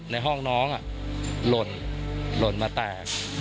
ในห้องน้องโหล่นโหล่นมาแตก